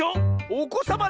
⁉おこさま